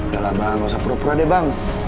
ya lah bang gak usah pura pura deh bang